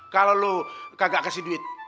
kalau lo kagak kasih duit